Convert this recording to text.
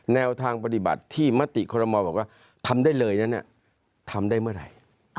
แนวทางปฏิบัติที่มติคอรมอลบอกว่าทำได้เลยนั้นทำได้เมื่อไหร่